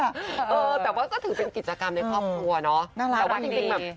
เออแต่ว่าก็ถือเป็นกิจกรรมในครอบครัวเนอะน่ารักแต่ว่าจริงแบบ